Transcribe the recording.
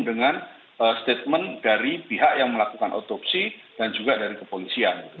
dengan statement dari pihak yang melakukan otopsi dan juga dari kepolisian